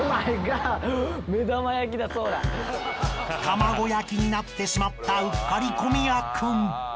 ［卵焼きになってしまったうっかり小宮君］